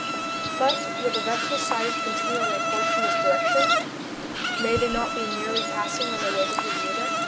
But will the vessels sighted continue on their course in this direction? May they not be merely passing on their way to Bermuda?